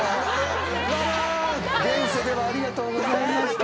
現世ではありがとうございました。